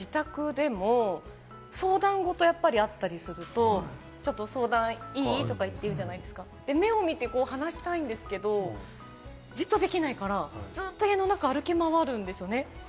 自宅でも相談事がやっぱりあったりすると、ちょっと相談いい？とか言ってるじゃないですか、目を見て話したいんですけれども、じっとできないから、ずっと家の中を歩き回るんですよね。